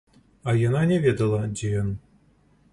А яна не ведала, дзе ён.